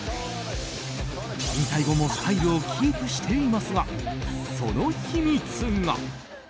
引退後もスタイルをキープしていますがその秘密が。